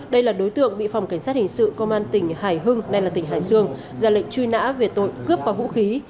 đây là đối tượng bị phòng cảnh sát hình sự công an tỉnh hải hưng nay là tỉnh hải dương ra lệnh truy nã về tội cướp qua vũ khí